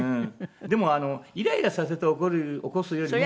でもイライラさせて起こすよりも。